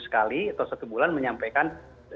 sekali atau satu bulan menyampaikan